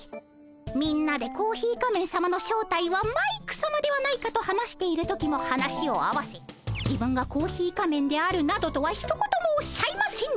みんなでコーヒー仮面さまの正体はマイクさまではないかと話している時も話を合わせ自分がコーヒー仮面であるなどとはひと言もおっしゃいませんでした。